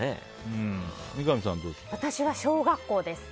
私は小学校です。